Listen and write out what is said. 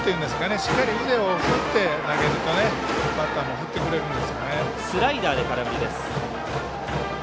しっかり腕を振って投げるとバッターも振ってくれるんですね。